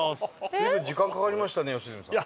随分時間かかりましたね良純さん。